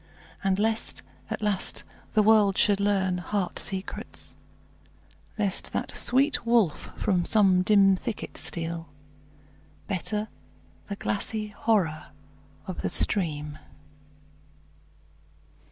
And lest, at last, the world should learn heart secrets; Lest that sweet wolf from some dim thicket steal; Better the glassy horror of the stream.